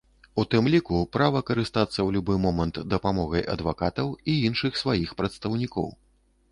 У тым ліку права карыстацца ў любы момант дапамогай адвакатаў і іншых сваіх прадстаўнікоў.